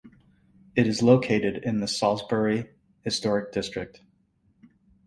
It is located in the Salisbury Historic District.